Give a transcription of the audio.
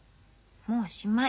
もうおしまい。